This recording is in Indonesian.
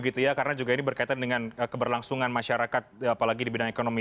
karena ini juga berkaitan dengan keberlangsungan masyarakat apalagi di bidang ekonomi